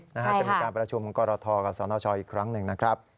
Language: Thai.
จะมีการประชุมกรทกับสนชอีกครั้งหนึ่งนะครับ